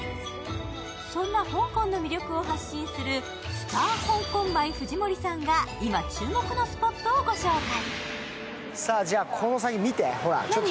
そんな香港の魅力を発信するスターホンコンマイ・藤森さんが今、注目のスポットをご紹介。